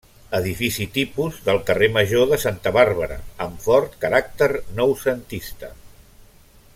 Edifici tipus del carrer major de Santa Bàrbara, amb fort caràcter noucentista.